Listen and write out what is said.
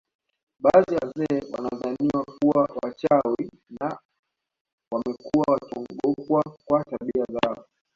Baadhi ya wazee wanadhaniwa kuwa wachawi na wamekuwa wakiogopwa kwa tabia zao